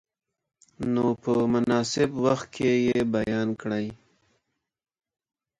نو په مناسب وخت کې یې بیان کړئ.